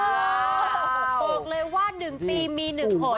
บอกเลยว่า๑ปีมี๑ผล